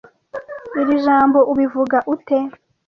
Iri jambo ubivuga ute?